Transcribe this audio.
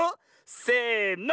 せの。